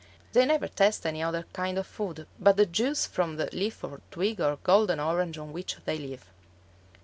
They never taste any other kind of food but the juice from the leaf or twig or golden orange on which they live.